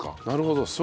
なるほど。